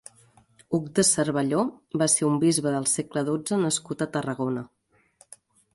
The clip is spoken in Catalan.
Hug de Cervelló va ser un bisbe del segle dotze nascut a Tarragona.